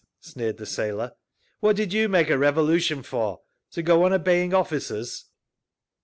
sneered the sailor. "What did you make a revolution for? To go on obeying officers?"